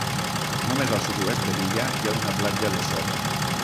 Només al sud-oest de l'illa hi ha una platja de sorra.